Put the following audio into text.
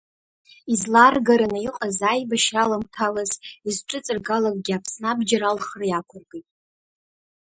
Изларгараны иҟаз аибашьра аламҭалаз изҿыҵыргалакгьы Аԥсны абџьар алхра иақәыркит.